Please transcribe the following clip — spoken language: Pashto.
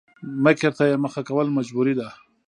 مکر ته يې مخه کول مجبوري ده؛